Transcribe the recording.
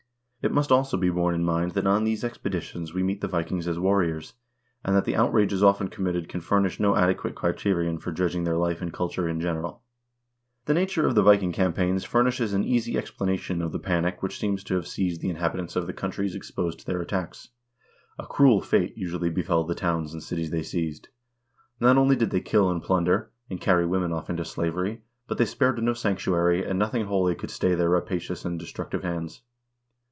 It must also be borne in mind that on these expeditions we meet the Vikings as warriors, and that the outrages often committed can furnish no adequate criterion for judging their life and culture in general. The nature of the Viking campaigns furnishes an easy explanation of the panic which seems to have seized the inhabitants of thecoun 70 HISTORY OF THE NORWEGIAN PEOPLE tries exposed to their attacks. A cruel fate usually befell the towns and cities they seized. Not only did they kill and plunder, and carry women off into slavery, but they spared no sanctuary, and nothing holy could stay their rapacious and destructive hands.